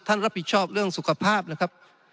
รับผิดชอบเรื่องสุขภาพนะครับ